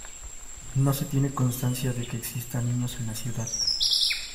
No se tiene constancia de que existan niños en la ciudad.